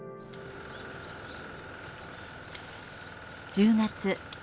１０月。